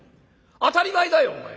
当たり前だよお前。